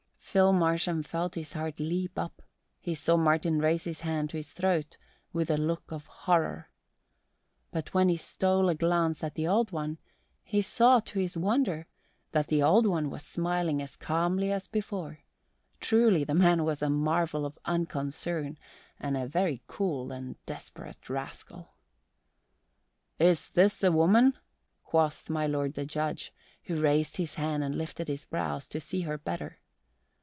Phil Marsham felt his heart leap up; he saw Martin raise his hand to his throat with a look of horror. But when he stole a glance at the Old One, he saw, to his wonder, that the Old One was smiling as calmly as before: truly the man was a marvel of unconcern and a very cool and desperate rascal. "Is this the woman?" quoth my Lord the Judge, who raised his head and lifted his brows to see her the better.